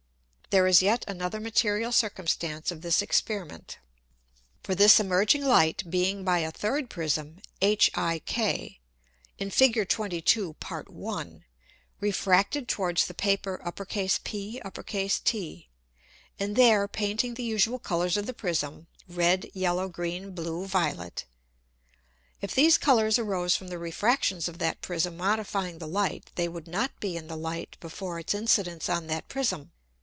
There is yet another material Circumstance of this Experiment. For this emerging Light being by a third Prism HIK [in Fig. 22. Part I.][I] refracted towards the Paper PT, and there painting the usual Colours of the Prism, red, yellow, green, blue, violet: If these Colours arose from the Refractions of that Prism modifying the Light, they would not be in the Light before its Incidence on that Prism.